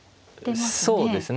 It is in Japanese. そうですね。